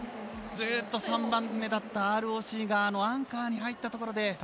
ずっと３番目だったＲＯＣがアンカーに入ったところで。